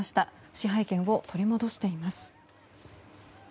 支配権を取り戻しています。